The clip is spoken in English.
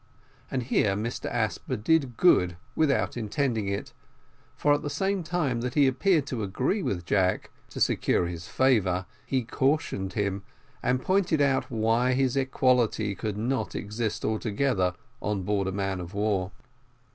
And here Mr Asper did good without intending it, for, at the same time that he appeared to agree with Jack, to secure his favour, he cautioned him, and pointed out why this equality could not exist altogether on board of a man of war.